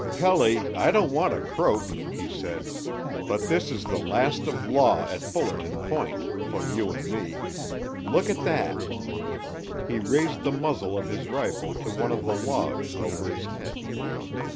"Pelly, I don't want to croak," he said, "but this is the last of Law at Fullerton Point for you and me. Look at that!" He raised the muzzle of his rifle to one of the logs over his head.